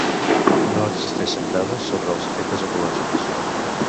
No existeixen dades sobre els efectes ecològics.